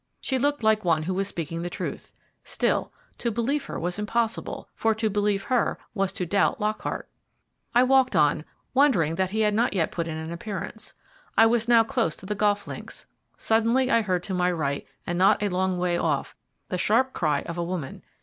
She looked like one who was speaking the truth. Still, to believe her was impossible, for to believe her was to doubt Lockhart. I walked on, wondering that he had not yet put in an appearance. I was now close to the golf links. Suddenly I heard to my right, and not a long way off, the sharp cry of a woman.